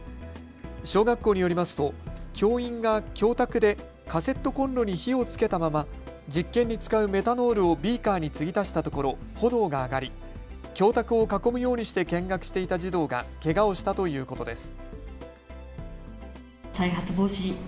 小学校によりますと教員が教卓でカセットコンロに火をつけたまま実験に使うメタノールをビーカーにつぎ足したところ炎が上がり教卓を囲むようにして見学していた児童がけがをしたということです。